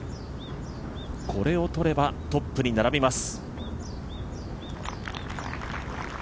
これを取ればトップに並びます。